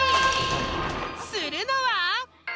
［するのは？］